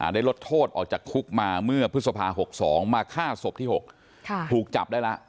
ได้ลดโทษออกจากคุกมาเมื่อพฤษภา๖๒มาฆ่าศพที่๖ถูกจับได้แล้ว